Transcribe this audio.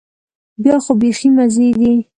بیا خو بيخي مزې دي.